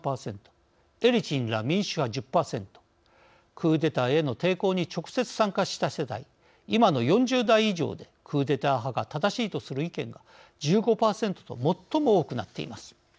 クーデターへの抵抗に直接参加した世代今の４０代以上でクーデター派が正しいとする意見が１５％と最も多くなっています。